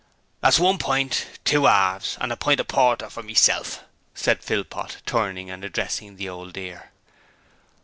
'That's one pint, two 'arves, and a pint o' porter for meself,' said Philpot, turning and addressing the Old Dear.